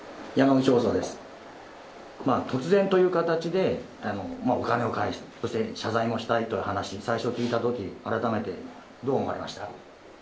当然という形で、お金を返す、そして謝罪もしたいという話、最初聞いたとき、改めてどう思われました？